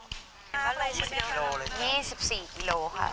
แล้วเมื่อไหร่๒๐กิโลเลยค่ะอันนี้๑๔กิโลค่ะ